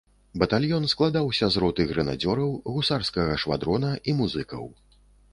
Батальён складаўся з роты грэнадзёраў, гусарскага швадрона і музыкаў.